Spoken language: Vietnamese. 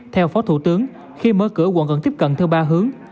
theo phó thủ tướng khi mở cửa quận tiếp cận theo ba hướng